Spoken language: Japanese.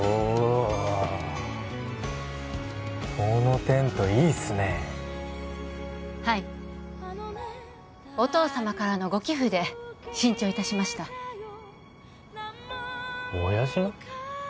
おおこのテントいいっすねはいお父様からのご寄付で新調いたしました親父の？